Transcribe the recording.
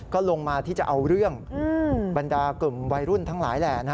ก็ลงมาที่จะเอาเรื่องบรรดากลุ่มวัยรุ่นทั้งหลายแหล่